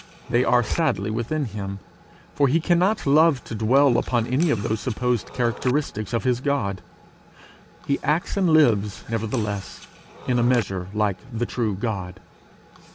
They are sadly against him; for he cannot love to dwell upon any of those supposed characteristics of his God; he acts and lives nevertheless in a measure like the true God.